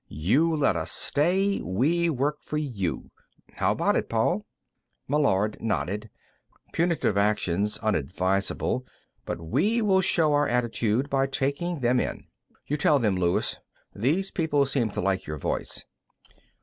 'You let us stay; we work for you.' How about it, Paul?" Meillard nodded. "Punitive action's unadvisable, but we will show our attitude by taking them in. You tell them, Luis; these people seem to like your voice."